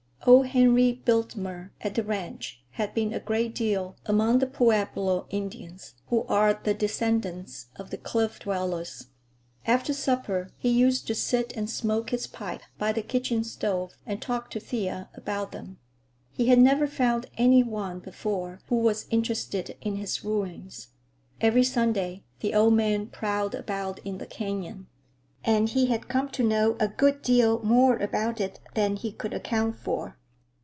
Old Henry Biltmer, at the ranch, had been a great deal among the Pueblo Indians who are the descendants of the Cliff Dwellers. After supper he used to sit and smoke his pipe by the kitchen stove and talk to Thea about them. He had never found any one before who was interested in his ruins. Every Sunday the old man prowled about in the canyon, and he had come to know a good deal more about it than he could account for.